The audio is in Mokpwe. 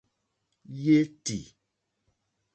Yétì.